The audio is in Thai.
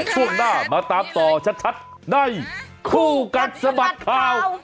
ช่วงหน้ามาตามต่อชัดในคู่กัดสะบัดข่าว